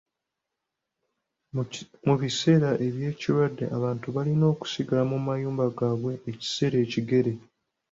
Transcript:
Mu biseera by'ekirwadde, abantu baalina okusigala mu mayumba gaabwe ekiseera ekigere.